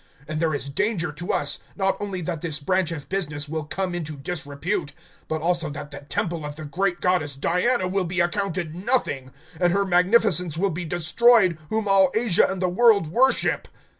(27)And there is danger to us, not only that this branch of business will come into disrepute, but also that the temple of the great goddess Diana will be accounted nothing, and her magnificence will be destroyed, whom all Asia and the world worship.